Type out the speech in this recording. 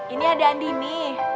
ini ada andini